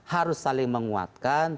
harus saling menguatkan